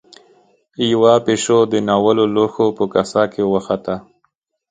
يوه پيشو د ناولو لوښو په کاسه کې وخته.